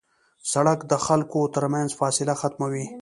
سړک د خلکو تر منځ فاصله ختموي.